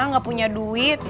nggak punya duit